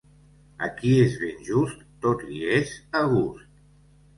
A qui és ben just, tot li és a gust.